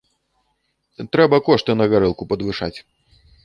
Трэба кошты на гарэлку падвышаць.